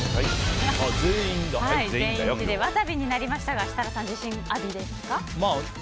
全員一致でワサビになりましたが設楽さん、自信ありですか？